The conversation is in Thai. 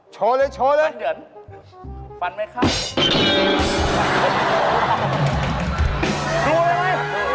ชัวร์เลยฟันเหนียวฟันไม่เข้า